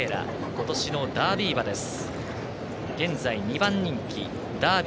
今年のダービー馬です。